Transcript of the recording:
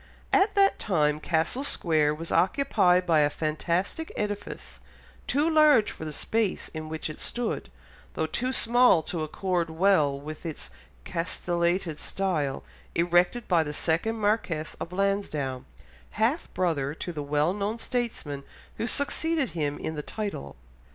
At that time Castle Square was occupied by a fantastic edifice, too large for the space in which it stood, though too small to accord well with its castellated style, erected by the second Marquess of Lansdowne, half brother to the well known statesman who succeeded him in the title.